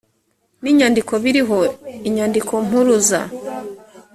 n inyandiko biriho inyandikompuruza